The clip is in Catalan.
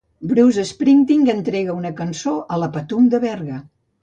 Bruce Springsteen entrega una cançó a la Patum de Berga.